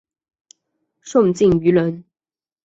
宋敬舆人。